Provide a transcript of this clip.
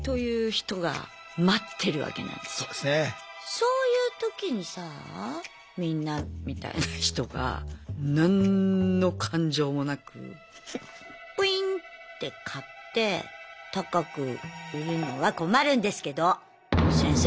そういうときにさあみんなみたいな人が何の感情もなくプインッて買って高く売るのは困るんですけど先生。